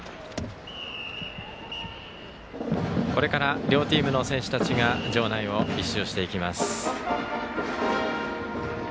これから両チームの選手たちが場内を１周していきます。